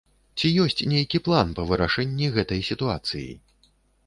Ці ёсць нейкі план па вырашэнні гэтай сітуацыі?